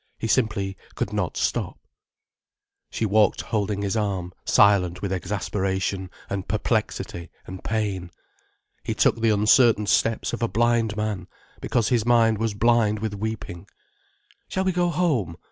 He simply could not stop. She walked holding his arm, silent with exasperation and perplexity and pain. He took the uncertain steps of a blind man, because his mind was blind with weeping. "Shall we go home?